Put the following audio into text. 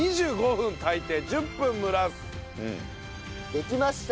できました。